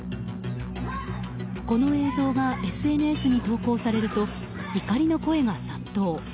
この映像がＳＮＳに投稿されると怒りの声が殺到。